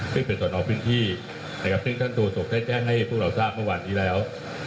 ที่เป็นส่วนออกพื้นที่ซึ่งท่านโตศกได้แจ้งให้พวกเราทราบเมื่อวันนี้แล้ว